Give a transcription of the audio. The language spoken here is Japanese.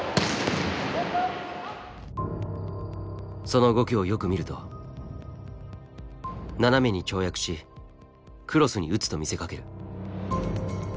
その動きをよく見ると斜めに跳躍しクロスに打つと見せかける。